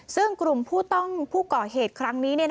ซึ่งกลุ่มผู้ต้องผู้ก่อเหตุครั้งนี้